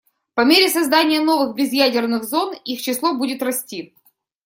По мере создания новых безъядерных зон их число будет расти.